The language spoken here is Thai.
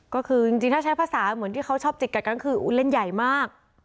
ก็คือจริงถ้าใช้ภาษาเหมือนที่เขาชอบจิกกัดกันก็คือเล่นใหญ่มาก